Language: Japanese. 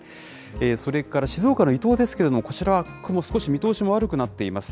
それから静岡の伊東ですけれども、こちらは雲、少し見通しも悪くなっています。